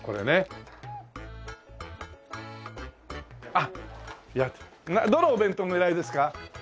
あっどのお弁当狙いですか？